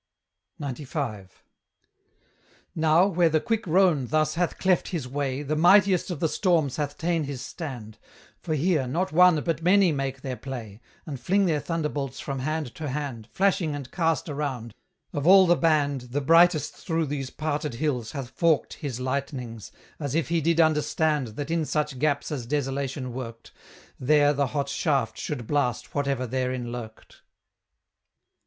XCV. Now, where the quick Rhone thus hath cleft his way, The mightiest of the storms hath ta'en his stand; For here, not one, but many, make their play, And fling their thunderbolts from hand to hand, Flashing and cast around: of all the band, The brightest through these parted hills hath forked His lightnings, as if he did understand That in such gaps as desolation worked, There the hot shaft should blast whatever therein lurked.